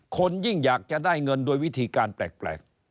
คนยิ่งอยากจะได้เงินโดยวิธีการแปลก